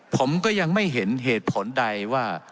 ผมก็ยังไม่เห็นเหตุผลใดว่า